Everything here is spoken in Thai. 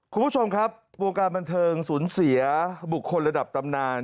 คุณผู้ชมครับวงการบันเทิงสูญเสียบุคคลระดับตำนาน